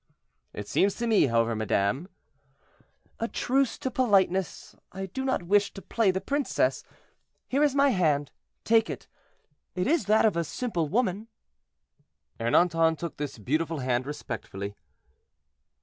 "It seems to me, however, madame—" "A truce to politeness; I do not wish to play the princess. Here is my hand, take it; it is that of a simple woman." Ernanton took this beautiful hand respectfully.